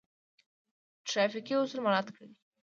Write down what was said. ټرافیکي اصول مراعات کړئ